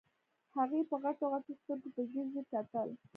هغې په غټو غټو سترګو په ځير ځير کتل.